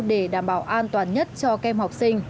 để đảm bảo an toàn nhất cho kem học sinh